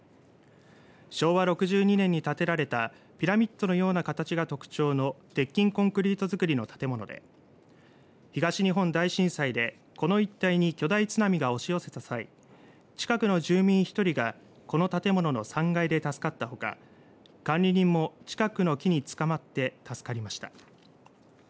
昭和６２年に建てられたピラミッドのような形が特徴の鉄筋コンクリート造りの建物で東日本大震災でこの一帯に巨大津波が押し寄せた際近くの住民１人がこの建物の３階で助かったほか管理人も近くの木につかまって助かりました。